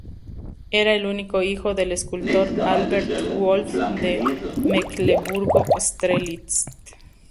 Era el único hijo del escultor Albert Wolff de Mecklemburgo-Strelitz.